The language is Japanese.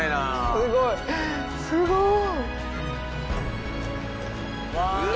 すごいすごい。